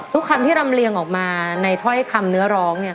คำที่รำเลียงออกมาในถ้อยคำเนื้อร้องเนี่ย